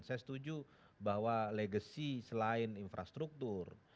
saya setuju bahwa legacy selain infrastruktur